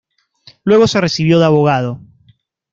Luego se recibió de abogado.